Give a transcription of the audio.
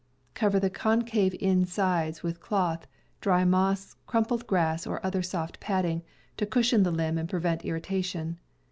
Cover the con cave insides with cloth, dry moss, crumpled grass, or other soft padding, to cushion the limb and prevent irritation.